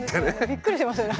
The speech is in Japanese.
びっくりしますよね